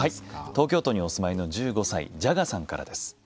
東京都にお住まいの１５歳、じゃがさんからです。